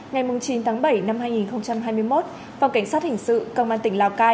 ngày chín tháng bảy năm hai nghìn hai mươi một phòng cảnh sát hình sự công an tỉnh lào cai